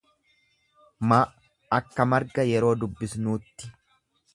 m akka marga yeroo dubbisnuutti.